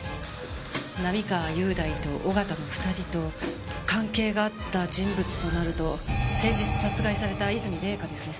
並河優大と小形の２人と関係があった人物となると先日殺害された和泉礼香ですね。